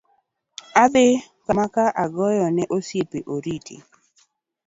Adhi kama ka agoyo ne osiepe oriti.